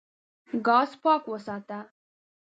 ګاز پاک وساته.